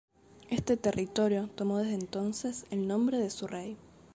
Este territorio tomó desde entonces el nombre de su Rey.